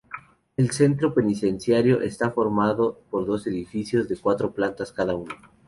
El centro penitenciario está formado por dos edificios de cuatro plantas cada uno.